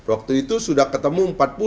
waktu itu sudah ketemu empat puluh